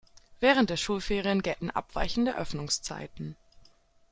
Während der Schulferien gelten abweichende Öffnungszeiten.